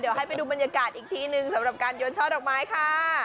เดี๋ยวให้ไปดูบรรยากาศอีกทีนึงสำหรับการโยนช่อดอกไม้ค่ะ